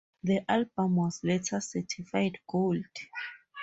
The album was later certified gold.